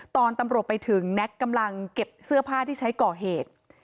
ตอนตำรวจไปถึงแน็กกำลังเก็บเสื้อผ้าที่ใช้ก่อเหตุ